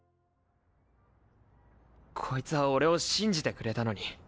こいつは俺を信じてくれたのに。